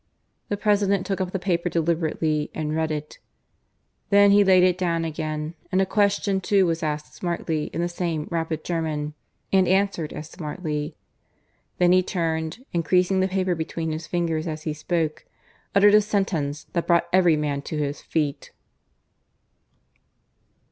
The President took up the paper deliberately and read it. Then he laid it down again, and a question too was asked smartly in the same rapid German, and answered as smartly. Then he turned, and creasing the paper between his fingers as he spoke, uttered a sentence that brought every man to his feet.